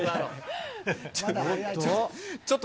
ちょっと。